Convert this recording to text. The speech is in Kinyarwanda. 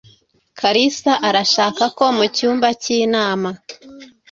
Kalisa arashaka ko mucyumba cy'inama.